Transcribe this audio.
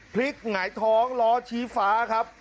พลิกอย่างไหงท้องล้อชีฟ้าครับ